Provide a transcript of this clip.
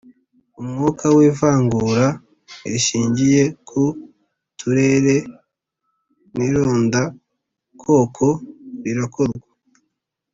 Umwuka w’ ivangura rishingiye ku turere n’ irondakoko rirakorwa.